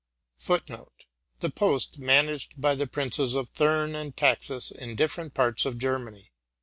1 The post, managed by the princes of Thurn and Taxis, in different parts of Ger many.